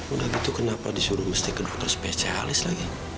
udah gitu kenapa disuruh mesti ke dokter spesialis lagi